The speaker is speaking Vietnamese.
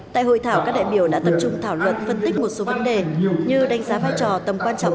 tại hội thảo các đại biểu đã tập trung thảo luận phân tích một số vấn đề như đánh giá vai trò tầm quan trọng